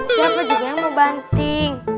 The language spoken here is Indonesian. siapa juga yang mau banting